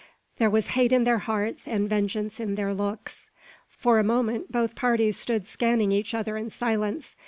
There was hate in their hearts and vengeance in their looks. For a moment both parties stood scanning each other in silence.